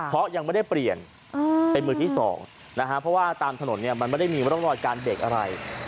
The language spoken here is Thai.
เพราะยังไม่ได้เปลี่ยนเป็นมือที่๒นะฮะเพราะว่าตามถนนเนี่ยมันไม่ได้มีร่องรอยการเบรกอะไร